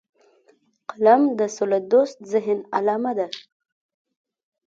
قلم د سولهدوست ذهن علامه ده